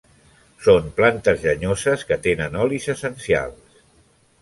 Són plantes llenyoses que tenen olis essencials.